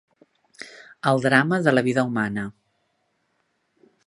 El drama de la vida humana.